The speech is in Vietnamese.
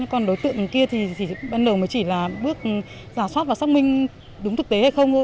còn đối tượng kia thì ban đầu mới chỉ là bước giả soát và xác minh đúng thực tế hay không thôi